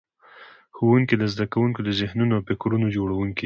ښوونکي د زده کوونکو د ذهنونو او فکرونو جوړونکي دي.